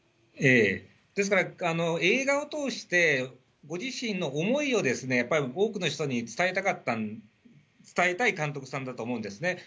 ですから、映画を通して、ご自身の思いをやっぱり多くの人に伝えたかった、伝えたい監督さんだと思うんですね。